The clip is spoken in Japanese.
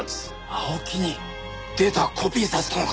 青木にデータをコピーさせたのか！